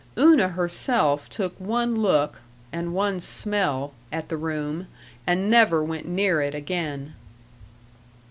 Una herself took one look and one smell at the room, and never went near it again.